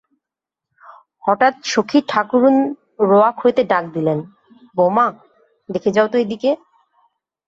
হঠাৎ সখী ঠাকরুন রোয়াক হইতে ডাক দিলেন-বৌমা, দেখে যাও তো এদিকে।